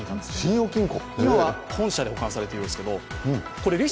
今は本社で保管されているとのこと。